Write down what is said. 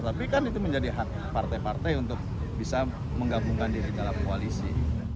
tapi kan itu menjadi hak partai partai untuk bisa menggabungkan diri dalam koalisi